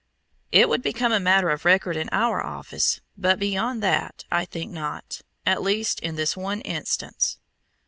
"It would become a matter of record in our office, but beyond that I think not at least in this one instance."